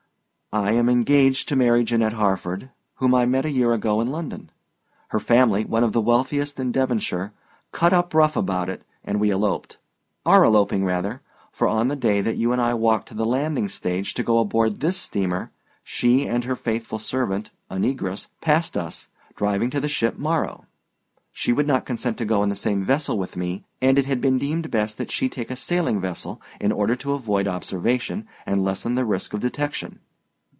I am engaged to marry Janette Harford, whom I met a year ago in London. Her family, one of the wealthiest in Devonshire, cut up rough about it, and we eloped—are eloping rather, for on the day that you and I walked to the landing stage to go aboard this steamer she and her faithful servant, a negress, passed us, driving to the ship Morrow. She would not consent to go in the same vessel with me, and it had been deemed best that she take a sailing vessel in order to avoid observation and lessen the risk of detection.